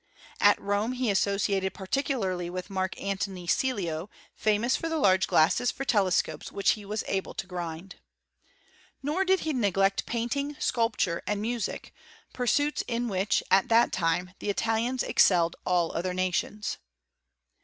At Rome he associated particularly with Marc Antony Cello, famous for the large glasses 240 HISTORY OF CHEMISTRT. for telescopes which he was able to grind. Nor did he neglect painting, sculpture, and music ; pur^ suits in which, at that time, the Italians excelled aU other nations.